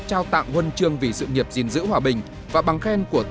vậy anh có thể chia sẻ những cảm xúc của mình được không ạ